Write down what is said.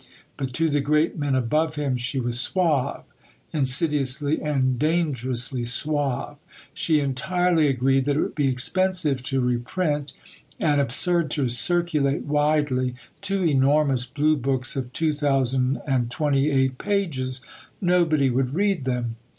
But to the great men above him, she was suave insidiously and dangerously suave. She entirely agreed that it would be expensive to reprint, and absurd to circulate widely, two enormous Blue books of 2028 pages. Nobody would read them.